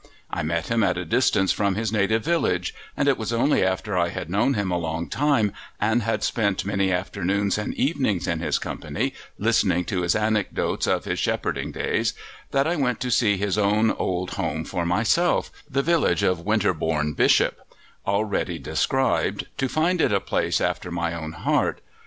I met him at a distance from his native village, and it was only after I had known him a long time and had spent many afternoons and evenings in his company, listening to his anecdotes of his shepherding days, that I went to see his own old home for myself the village of Winterbourne Bishop already described, to find it a place after my own heart.